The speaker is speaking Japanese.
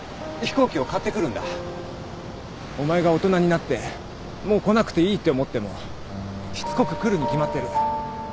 お前が大人になってもう来なくていいって思ってもしつこく来るに決まってる。